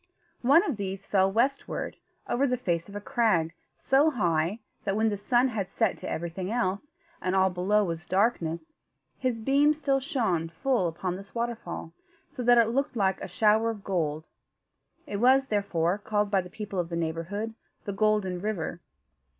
One of these fell westward, over the face of a crag so high, that, when the sun had set to everything else, and all below was darkness, his beams still shone full upon this waterfall, so that it looked like a shower of gold. It was, therefore, called by the people of the neighbourhood, the Golden River.